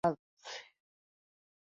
It is on the edge of Bristol and from Bath.